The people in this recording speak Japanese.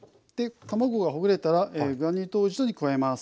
卵がほぐれたらグラニュー糖を一度に加えます。